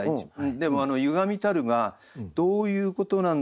でも「歪みたる」がどういうことなんだろう。